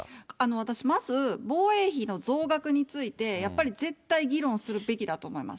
私、まず、防衛費の増額について、やっぱり絶対議論するべきだと思います。